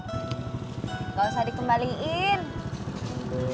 enggak usah dikembalikan